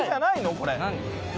これ何？